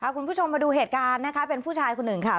คุณผู้ชมมาดูเหตุการณ์นะคะเป็นผู้ชายคนหนึ่งค่ะ